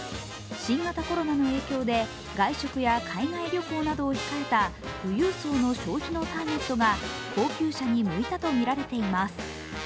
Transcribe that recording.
新型コロナの影響で外食や海外旅行などを控えた富裕層の消費のターゲットが高級車に向いたとみられています。